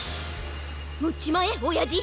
うっちまえおやじ！